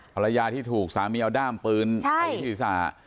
ภรรยาที่ถูกสามีเอาด้ามปืนตีศีรษะ